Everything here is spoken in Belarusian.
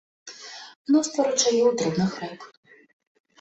Мноства ручаёў і дробных рэк.